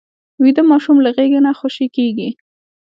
ویده ماشوم له غېږه نه خوشې کېږي